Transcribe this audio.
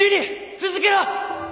続けろ！